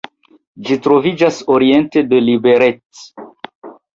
Ĝi troviĝas oriente de Liberec.